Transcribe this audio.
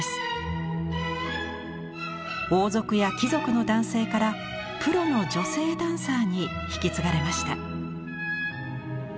王族や貴族の男性からプロの女性ダンサーに引き継がれました。